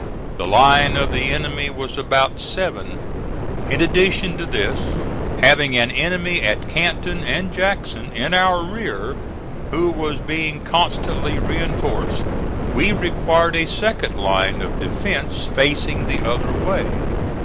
The line of the enemy was about seven. In addition to this, having an enemy at Canton and Jackson, in our rear, who was being constantly reinforced, we required a second line of defence facing the other way.